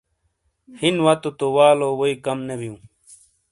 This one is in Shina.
ہِین واتو تو والو ووئی کم نے بِیوں۔